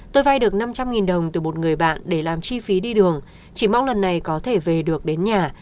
tôi vay được năm trăm linh đồng từ một người bạn để làm chi phí đi đường chỉ mong lần này có thể về được đến nhà